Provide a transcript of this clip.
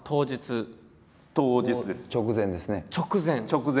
直前！